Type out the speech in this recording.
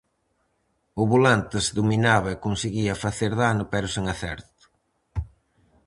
O Volantes dominaba e conseguía facer dano pero sen acerto.